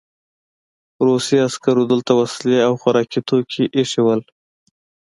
روسي عسکرو دلته وسلې او خوراکي توکي ایښي وو